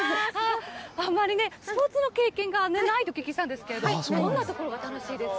あまりスポーツの経験がないとお聞きしたんですけれど、どんなところが楽しいですか？